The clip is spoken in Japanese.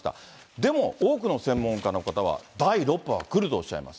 でも多くの専門家の方は、第６波が来るとおっしゃいます。